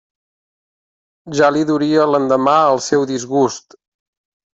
Ja li duria l'endemà el seu disgust.